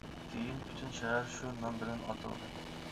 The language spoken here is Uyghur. كېيىن پۈتۈن شەھەر شۇ نام بىلەن ئاتالدى.